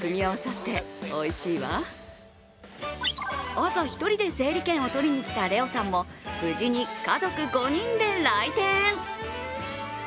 朝、１人で整理券を取りに来たレオさんも無事家族５人で来店。